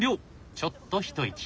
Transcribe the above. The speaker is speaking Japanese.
ちょっと一息。